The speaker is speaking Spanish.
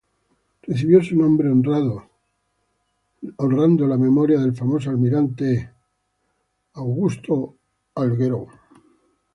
Recibió su nombre honrando la memoria del famoso almirante Richard Howe.